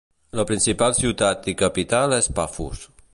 La principal ciutat i capital és Pafos.